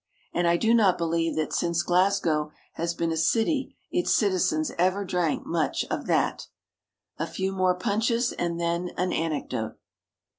And I do not believe that since Glasgow has been a city its citizens ever drank much of that. A few more punches, and then an anecdote.